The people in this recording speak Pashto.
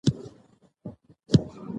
د حساب، ستورپوهنې او قانون کتابونه جوړ شول.